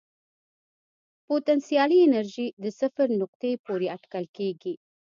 پوتنسیالي انرژي د صفر نقطې پورې اټکل کېږي.